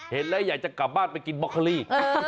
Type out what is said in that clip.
เห็นแล้วอยากจะกลับบ้านไปกินบ็อกเคอรี่